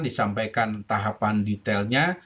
disampaikan tahapan detailnya